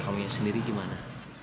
kamu yang sendiri gimana